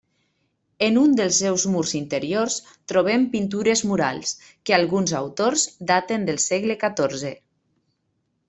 En un dels seus murs interiors trobem pintures murals, que alguns autors daten del segle catorze.